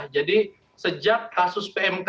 jadi sejak kasus pmk